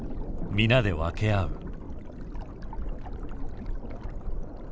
皆で分け合う。